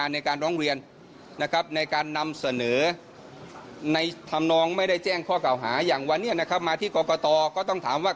ในธรรมนองไม่ได้แจ้งข้อเก่าหาอย่างวันนี้นะครับมาที่กรกตก็ต้องถามว่า